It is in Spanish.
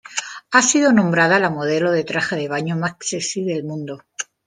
Ha sido nombrada la modelo de traje de baño más sexy del mundo.